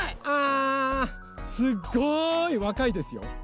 あすごいわかいですよ。